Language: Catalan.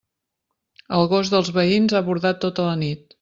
El gos dels veïns ha bordat tota la nit.